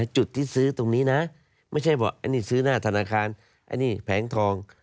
จุดที่ซื้อตรงนี้นะไม่ใช่บอกอันนี้ซื้อหน้าธนาคารอันนี้แผงทอง